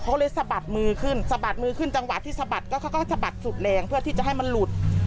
เขาเลยสะบัดมือขึ้นสะบัดมือขึ้นจังหวะที่สะบัดก็เขาก็สะบัดสุดแรงเพื่อที่จะให้มันหลุด